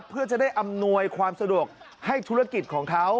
เพื่อจะได้อำนวยความสะดวกให้ธุรกิจของเขา